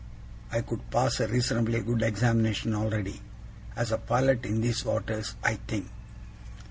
I could pass a reasonably good examination already, as a pilot in these waters, I think.